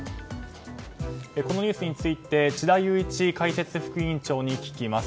このニュースについて智田裕一解説副委員長に聞きます。